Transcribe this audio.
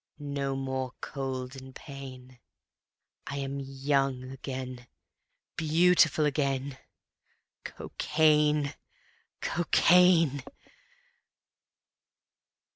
No more cold and pain, I am young again, Beautiful again, Cocaine! Cocaine!